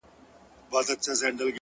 o دوى خو، له غمه څه خوندونه اخلي،